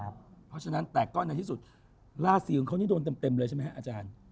เพราะฉะนั้นแต่ก็ในที่สุดราศีของเขานี่โดนเต็มเลยใช่ไหมฮะอาจารย์